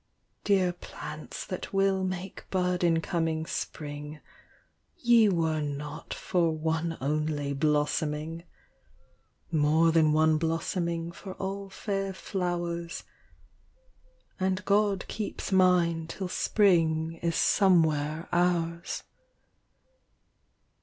Dear plants that will make bud in coming spring, Ye were not for one only blossoming : More than one blossoming for all fair flowers ; And God keeps mine till spring is somewhere ours.